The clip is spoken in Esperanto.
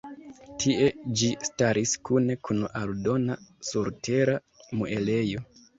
Tie ĝi staris kune kun aldona surtera muelejo.